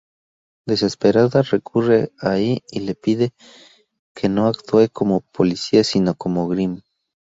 Desesperada recurre a y le pide que no actúe como policía sino como Grimm.